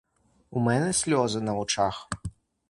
У мене сльози на очах!